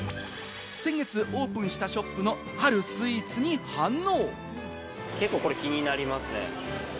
先月オープンしたショップのあるスイーツに反応。